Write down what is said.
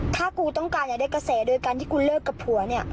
ถ้ากูต้องการอยากได้กระแสโดยการที่กูเลิกกับผัวเนี่ย